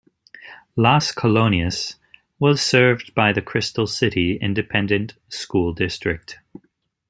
Las Colonias was served by the Crystal City Independent School District.